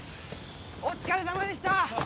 お疲れさまでしたあっ